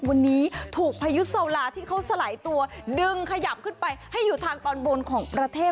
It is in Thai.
วันนี้ถูกพายุโซลาที่เขาสลายตัวดึงขยับขึ้นไปให้อยู่ทางตอนบนของประเทศ